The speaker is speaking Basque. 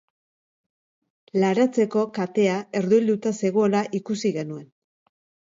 laratzeko katea erdoilduta zegoela ikusi genuen